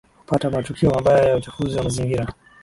hupata matukio mabaya ya uchafuzi wa mazingira